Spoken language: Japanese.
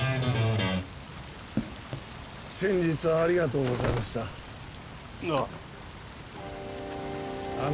先日はありがとうございましたあ